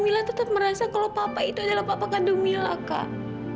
mila tetap merasa kalau papa itu adalah bapak kandung mila kak